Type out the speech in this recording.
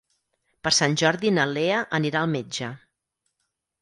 Per Sant Jordi na Lea anirà al metge.